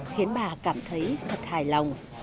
khiến bà cảm thấy thật hài lòng